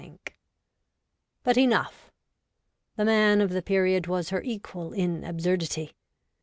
But enough ! The Man of the Period was her equal in absurdity.